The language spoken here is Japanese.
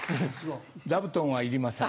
座布団はいりません。